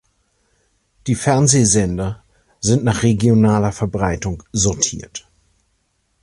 Die Fernsehsender sind nach regionaler Verbreitung sortiert.